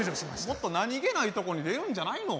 もっと何気ないとこに出るんじゃないの？